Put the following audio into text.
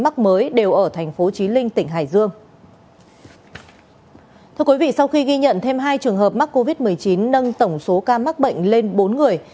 khi ghi nhận thêm hai trường hợp mắc covid một mươi chín nâng tổng số ca mắc bệnh lên bốn người